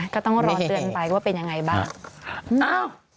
ก็ต้องรอเตือนไปว่าเป็นยังไงบ้าง